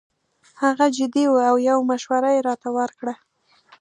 هغه جدي وو او یو مشوره یې راته ورکړه.